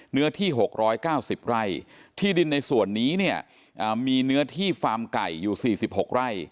เนื้อที่๖๙๐ไร่ที่ดินในส่วนนี้เนี่ยมีเนื้อที่ฟาร์มไก่อยู่๔๖ไร่